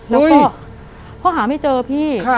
แล้วก็เขาหาไม่เจอพี่